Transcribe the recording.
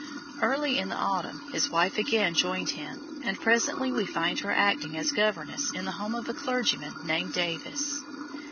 Early in the autumn his wife again joined him, and presently we find her acting as governess in the home of a clergyman named Davis.